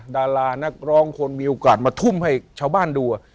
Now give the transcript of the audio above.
ดารานักร้องคนมีโอกาสมาทุ่มให้ชาวบ้านดู